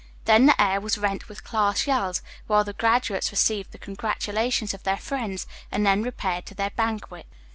Then the air was rent with class yells, while the graduates received the congratulations of their friends and then repaired to their banquet.